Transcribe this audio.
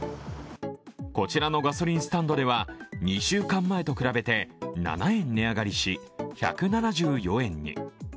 こちらのガソリンスタンドでは２週間前と比べて７円値上がりし、１７４円に。